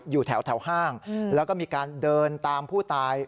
อยู่แถวห้างแล้วก็มีการเดินตามผู้ตาย